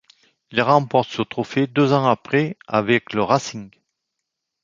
Il remporte ce trophée deux ans après avec le Racing.